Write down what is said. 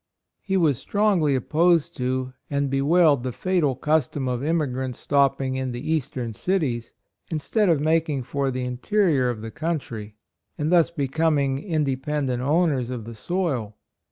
He was strongly opposed to, and bewailed the fatal custom of immigrants stopping in the Eastern cities, in stead of making for the interior Of HIS ESTATE. 49 the country, and thus becoming in dependent owners of the soil.